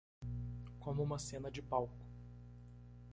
Como uma cena de palco